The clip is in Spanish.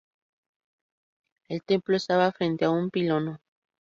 El templo estaba frente a un pilono.